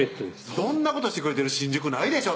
そんなことしてくれてる新宿ないでしょ？